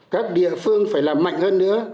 các địa phương phải làm mạnh hơn nữa